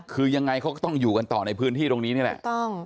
คือยังไงเขาก็ต้องอยู่กันต่อในพื้นที่ตรงนี้นี่แหละถูกต้อง